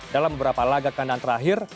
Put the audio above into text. dalam beberapa laga kandang terakhir